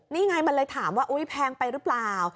นี่ไงมันเลยถามว่าอุ๊ยแพงไปหรือเปล่า